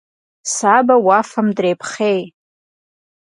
Сабэ уафэм дрепхъей.